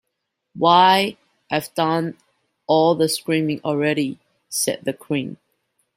‘Why, I’ve done all the screaming already,’ said the Queen.